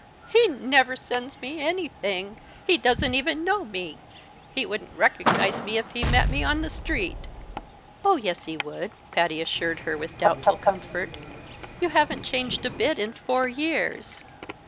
"He never sends me anything! He doesn't even know me. He wouldn't recognize me if he met me on the street." "Oh, yes, he would," Patty assured her with doubtful comfort. "You haven't changed a bit in four years."